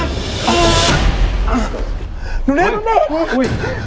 ช่วยเราไว้